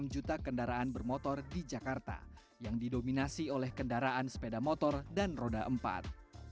enam juta kendaraan bermotor di jakarta yang didominasi oleh kendaraan sepeda motor dan roda empat